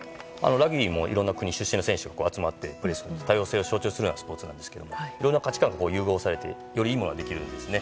ラグビーもいろんな国の選手が集まってプレーする多様性を象徴するようなスポーツなんですがいろいろな価値観が融合されてよりいいものができるんですね。